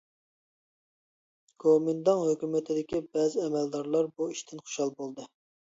گومىنداڭ ھۆكۈمىتىدىكى بەزى ئەمەلدارلار بۇ ئىشتىن خۇشال بولدى.